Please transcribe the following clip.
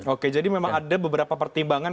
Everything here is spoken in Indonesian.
oke jadi memang ada beberapa pertimbangan